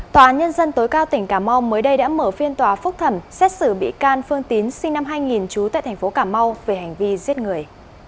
tòa án nhân dân tối cao tỉnh cà mau mới đây đã mở phiên tòa phúc thẩm xét xử bị can phương tín sinh năm hai nghìn trú tại thành phố cà mau về hành vi giết người